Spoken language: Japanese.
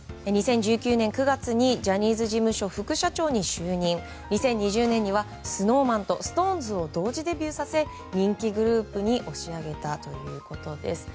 ２０１９年９月にジャニーズ事務所副社長に就任し２０２０年にはＳｎｏｗＭａｎとＳｉｘＴＯＮＥＳを同時デビューさせ人気グループに押し上げたということです。